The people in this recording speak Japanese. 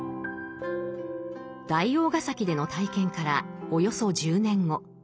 大王个崎での体験からおよそ１０年後。